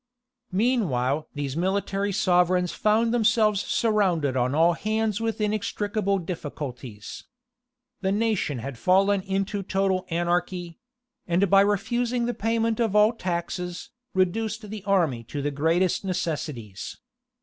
Meanwhile these military sovereigns found themselves surrounded on all hands with inextricable difficulties. The nation had fallen into total anarchy; and by refusing the payment of all taxes, reduced the army to the greatest necessities.